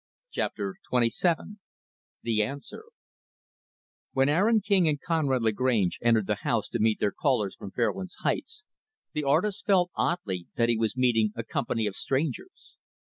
Chapter XXVII The Answer When Aaron King and Conrad Lagrange entered the house to meet their callers from Fairlands Heights, the artist felt, oddly, that he was meeting a company of strangers.